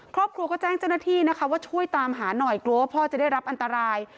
ครอบครัวก็แจ้งเจ้าหน้าที่นะคะว่าช่วยตามหาหน่อยกลัวว่าพ่อจะได้รับอันตราย